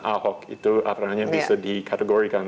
ahok itu apa namanya bisa dikategorikan